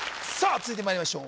続いてまいりましょう